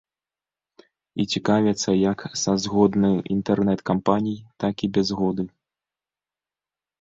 І цікавяцца як са згодны інтэрнэт-кампаній, так і без згоды.